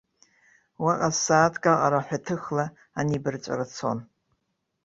Уаҟа сааҭк аҟара аҳәаҭыхла анибарҵәара цон.